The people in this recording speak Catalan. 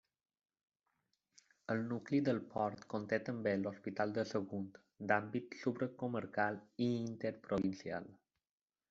El nucli del Port conté també l'Hospital de Sagunt, d'àmbit supracomarcal i interprovincial.